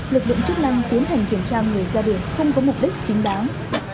lực lượng chức năng tiến hành kiểm tra người ra đường không có mục đích chính đáng